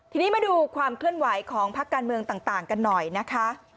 ทีนี้มาดูความเคลื่อนไหวของพักการเมืองต่างกันหน่อยนะคะ